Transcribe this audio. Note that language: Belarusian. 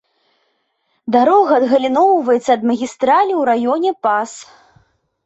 Дарога адгаліноўваецца ад магістралі у раёне пас.